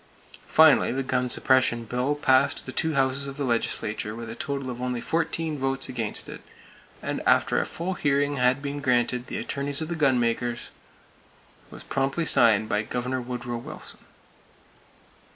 Finally, the gun suppression bill passed the two houses of the legislature with a total of only fourteen votes against it, and after a full hearing had been granted the attorneys of the gunmakers, was promptly signed by Governor Woodrow Wilson.